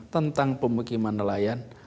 tentang pemikiman nelayan